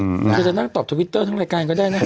ถ้าอยากจะนั่งตอบทวิตเตอร์ทั้งรายการก็ได้นะ